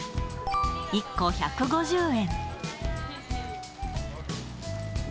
１個１５０円。